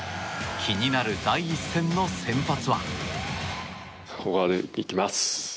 気になる第１戦の先発は。